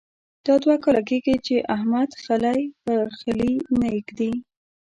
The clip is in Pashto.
دا دوه کاله کېږې چې احمد خلی پر خلي نه اېږدي.